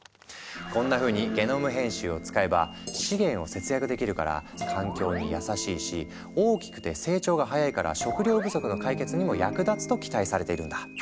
こんなふうにゲノム編集を使えば資源を節約できるから環境に優しいし大きくて成長が早いから食糧不足の解決にも役立つと期待されているんだ。